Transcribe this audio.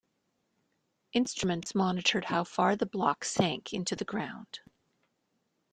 Instruments monitored how far the block sank into the ground.